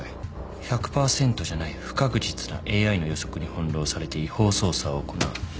１００％じゃない不確実なＡＩの予測に翻弄されて違法捜査を行う。